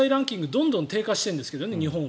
どんどん日本は低下しているんですけどね。